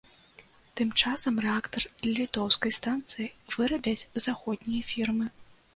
Тым часам рэактар для літоўскай станцыі вырабяць заходнія фірмы.